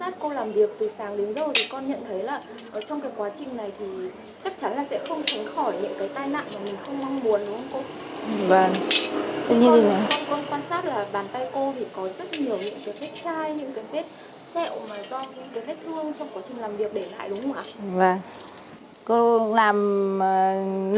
cô ơi như con quan sát cô làm việc từ sáng đến giờ thì con nhận thấy là